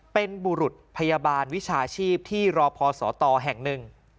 เป็นบุรุษพยาบาลวิชาชีพที่รอพอสตแห่งหนึ่ง